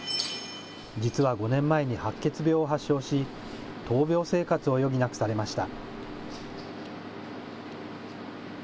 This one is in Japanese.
実は５年前に白血病を発症し、闘病生活を余儀なくされました。